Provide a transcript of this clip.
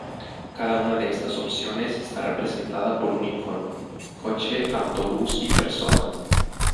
Cada una de estas opciones está representada por un icono; coche, autobús y persona.